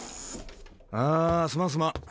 ああすまんすまん。